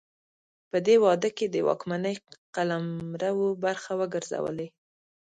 په دې واده کې د واکمنۍ قلمرو برخه وګرځولې.